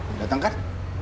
lo dateng kan